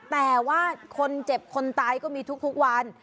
แต่ว่าคนเจ็บคนตายก็มีทุกวัน